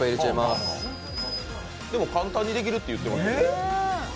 簡単にできるって言ってましたけど。